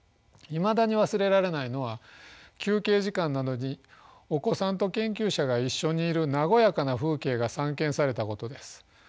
いまだに忘れられないのは休憩時間などにお子さんと研究者が一緒にいるなごやかな風景が散見されたことです。